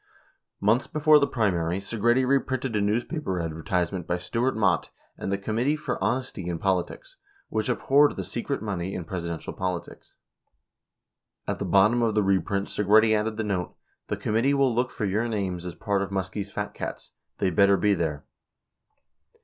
Months before the primary, Segretti reprinted a newspaper adver tisement by Stewart Mott and the "Committee for Honesty in Poli tics" which abhorred the "Secret Money in Presidential Politics." At the bottom of the reprint Segretti added the note, "The committee will look for your names as part of Muskie's fat cats ! They better be there!"